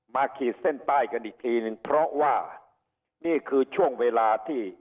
ขีดเส้นใต้กันอีกทีนึงเพราะว่านี่คือช่วงเวลาที่